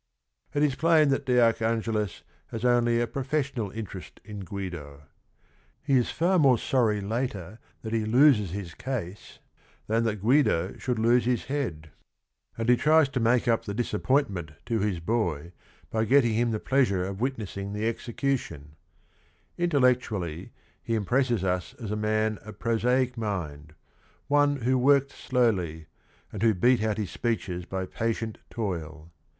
It is plain that de Archangelis has only a pro fessional interest in (juido. He is far more sorry late r that he loses bis case than that Gui do should lose his head, and he tries to make up the disapp ointment tn his hoy hy getting him the pleasure^pf_ witnessing the ex ecution Intellect ually he impresses us as a man of prosaic mind, one who worked slowly, and who beat out his speeches by patient toil.